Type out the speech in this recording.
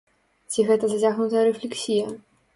Ці гэта зацягнутая рэфлексія?